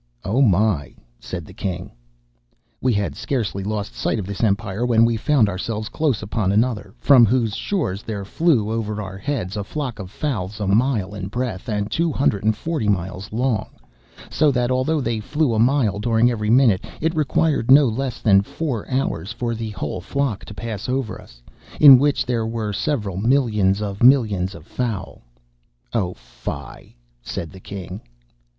'" (*16) "Oh my!" said the king. "'We had scarcely lost sight of this empire when we found ourselves close upon another, from whose shores there flew over our heads a flock of fowls a mile in breadth, and two hundred and forty miles long; so that, although they flew a mile during every minute, it required no less than four hours for the whole flock to pass over us—in which there were several millions of millions of fowl.'" (*17) "Oh fy!" said the king.